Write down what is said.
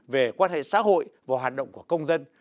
về quan hệ xã hội và hoạt động của công dân